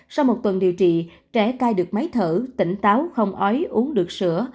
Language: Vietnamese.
sau một tuần điều trị trẻ cai được máy thở tỉnh táo không ói uống được sữa